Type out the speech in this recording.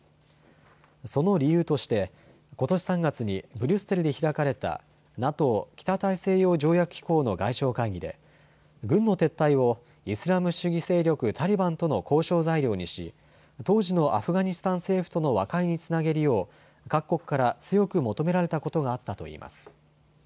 その理由としてことし３月にブリュッセルで開かれたＮＡＴＯ・北大西洋条約機構の外相会議で軍の撤退をイスラム主義勢力タリバンとの交渉材料にし当時のアフガニスタン政府との和解につなげるよう各国から強く求められたことがあったといいます。